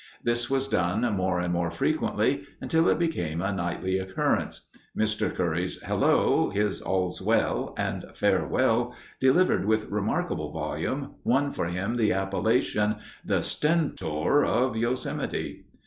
This was done more and more frequently, until it became a nightly occurrence. Mr. Curry's "Hello," his "All's well," and "Farewell," delivered with remarkable volume, won for him the appellation, "The Stentor of Yosemite."